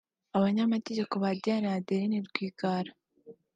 abanyamategeko ba Diane na Adeline Rwigara